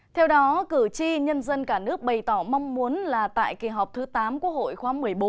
theo đó cử tri nhân dân cả nước bày tỏ mong muốn là tại kỳ họp thứ tám quốc hội khóa một mươi bốn